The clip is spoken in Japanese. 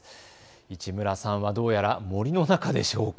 市村さんはどうやら森の中でしょうか。